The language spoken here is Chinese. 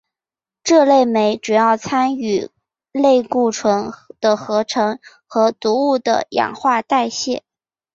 这类酶主要参与类固醇的合成和毒物的氧化代谢。